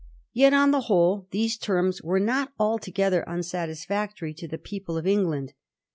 Yet, on the whole, these terms were not altogether unsatisfactory to the people of England.